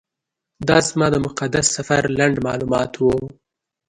دا زما د مقدس سفر لنډ معلومات و.